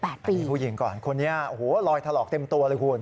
อันนี้ผู้หญิงก่อนคนนี้รอยถลอกเต็มตัวเลยคุณ